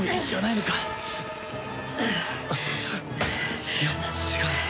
いや違う。